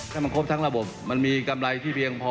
ถ้ามันครบทั้งระบบมันมีกำไรที่เพียงพอ